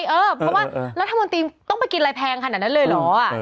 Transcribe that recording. เพราะว่ารัฐมนตรีต้องไปกินอะไรแพงขนาดนั้นเลยเหรอ